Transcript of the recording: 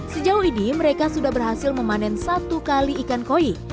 sejauh ini mereka sudah berhasil memanen satu kali ikan koi